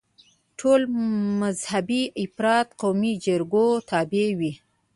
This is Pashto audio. ټول مذهبي افراد قومي جرګو تابع وي.